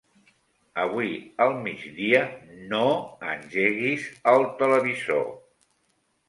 Avui al migdia no engeguis el televisor.